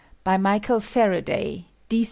BT MICHAEL FABADAT, D.